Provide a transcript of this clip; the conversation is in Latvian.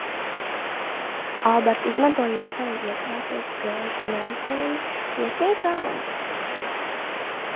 "Albert, izmanto iespēju ievākties "Great Northern" viesnīcā?"